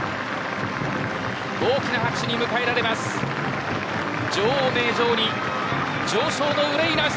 大きな拍手に迎えられます。